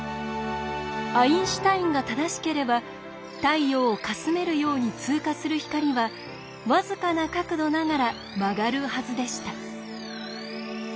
アインシュタインが正しければ太陽をかすめるように通過する光は僅かな角度ながら曲がるはずでした。